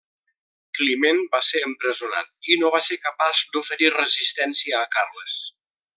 Climent va ser empresonat, i no va ser capaç d'oferir resistència a Carles.